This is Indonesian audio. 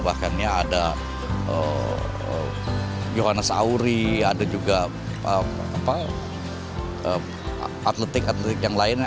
bahkan ya ada johannes auri ada juga atlet atlet yang lainnya